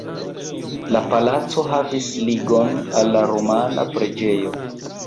La palaco havis ligon al la romana preĝejo.